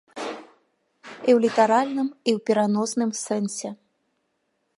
І ў літаральным, і ў пераносным сэнсе.